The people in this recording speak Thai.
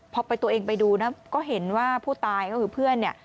พอตัวเองไปดูนะก็เห็นว่าผู้ตายก็คือเพื่อนเนี่ย